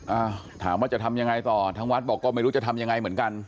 อ่าถามว่าจะทำยังไงต่อทางวัดบอกก็ไม่รู้จะทำยังไงเหมือนกัน